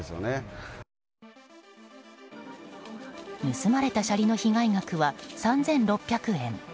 盗まれたシャリの被害額は３６００円。